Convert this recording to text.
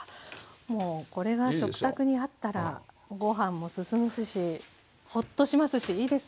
もうこれが食卓にあったらご飯も進みますしほっとしますしいいですね。